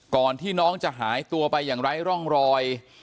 ก่อนที่น้องจะหายตัวไปอย่างไร้ร่องรอย